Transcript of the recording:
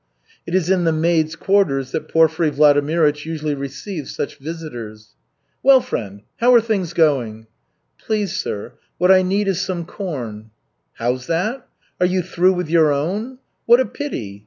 It is in the maids' quarters that Porfiry Vladimirych usually receives such visitors. "Well, friend, how are things going?" "Please sir, what I need is some corn." "How's that? Are you through with your own? What a pity!